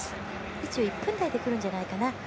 ２１分台でくるんじゃないかな。